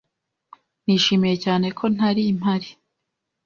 Nishimiye cyane ko ntari mpari.